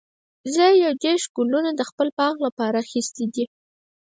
زه یو دیرش ګلونه د خپل باغ لپاره اخیستي دي.